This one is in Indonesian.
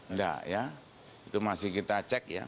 enggak ya itu masih kita cek ya